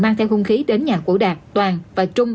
mang theo hung khí đến nhà của đạt toàn và trung